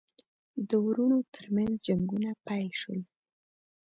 د وروڼو ترمنځ جنګونه پیل شول.